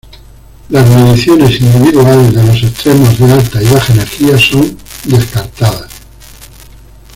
Las mediciones individuales de los extremos de alta y baja energía son descartadas.